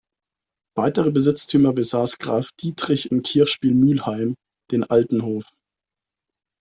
Weitere Besitztümer besaß Graf Dietrich im Kirchspiel Mülheim, den Altenhof.